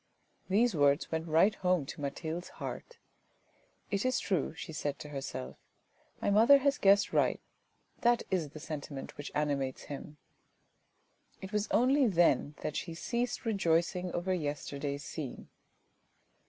These words went right home to Mathilde's heart. " It is true," she said to herself; " my mother has guessed right. That is the sentiment which animates him." It was only then that she ceased rejoicing over yesterday's scene.